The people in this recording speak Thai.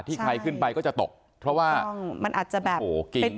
ใครขึ้นไปก็จะตกเพราะว่ามันอาจจะแบบโอ้โหกิน